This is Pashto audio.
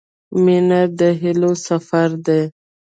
• مینه د هیلو سفر دی.